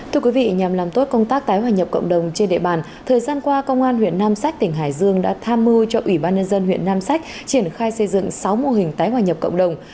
thưa quý vị nhằm làm tốt công tác tái hoài nhập cộng đồng trên địa bàn thời gian qua công an huyện nam sách tỉnh hải dương đã tham mưu cho ủy ban nhân dân huyện nam sách triển khai xây dựng sáu mô hình tái hoài nhập cộng đồng